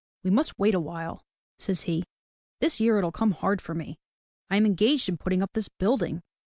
" We must wait a while/' says he. "This year it'll come hard for me. I am engaged in putting up this building.